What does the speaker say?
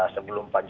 sebelum pak jokowi